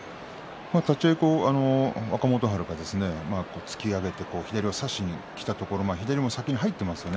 立ち合いに若元春は突き上げて左を差しにきたところ左が先に入っていますよね